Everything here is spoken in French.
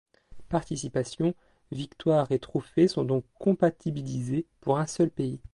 Participations, victoires et trophées sont donc comptabilisés pour un seul pays.